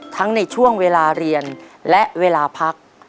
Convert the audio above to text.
ทั้งในช่วงเวลาเรียนและเวลาพัก